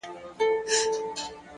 پوهه د شکونو تیاره کمزورې کوي،